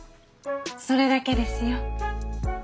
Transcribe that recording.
それだけですよ。